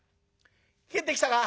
帰ってきたか？